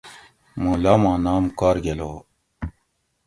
موں لاماں نام کارگلو